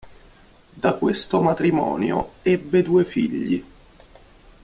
Da questo matrimonio ebbe due figli.